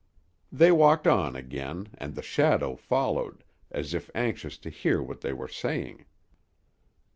They walked on again, and the shadow followed, as if anxious to hear what they were saying.